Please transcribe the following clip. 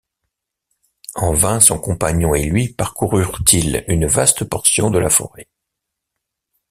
En vain son compagnon et lui parcoururent-ils une vaste portion de la forêt.